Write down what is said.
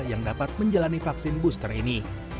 yang dapat menjalani vaksin booster ini